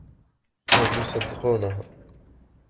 هم يصدقونها.